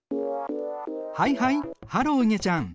はいはいハローいげちゃん。